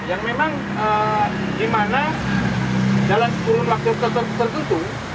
yang memang di mana dalam kurun waktu tertentu